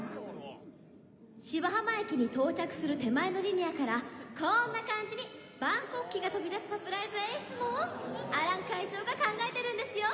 芝浜駅に到着する手前のリニアからこんな感じに万国旗が飛び出すサプライズ演出もアラン会長が考えてるんですよ！